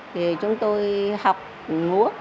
thì chúng tôi học múa